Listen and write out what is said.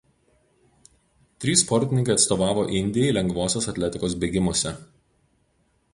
Trys sportininkai atstovavo Indijai lengvosios atletikos bėgimuose.